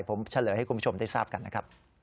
ผมเฉลยให้คุณผู้ชมได้ทราบกันนะครับ